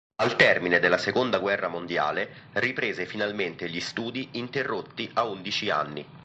Al termine della seconda guerra mondiale, riprese finalmente gli studi interrotti a undici anni.